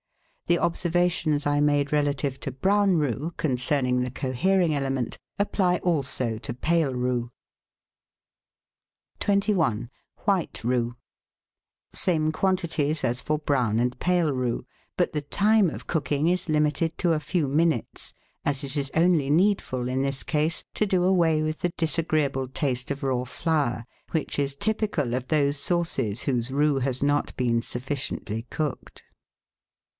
The observations I made relative to brown roux, concerning the cohering element, apply also to pale roux. 21— WHITE ROUX Same quantities as for brown and pale roux, but the time of cooking is limited to a few minutes, as it is only needful, in this case, to do away with the disagreeable taste of raw flour which is typical of those sauces whose roux has not been suffi ciently cooked.